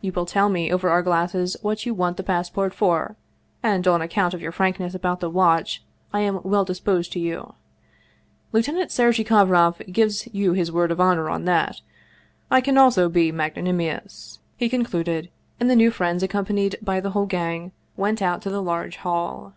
You will tell me over our glasses what you want the passport for, and on account of your frankness about the watch> I am well disposed to you. Lieutenant Sergei Kovroff gives you his word of honor on that. I also can be magnanimous," he concluded, and the new friends accompanied by the whole gang went out to the large hall.